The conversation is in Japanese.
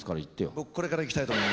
僕これからいきたいと思います。